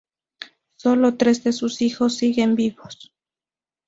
Sólo tres de sus hijos siguen vivos.